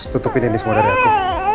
tutupin ini semua dari aku